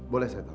boleh saya tahu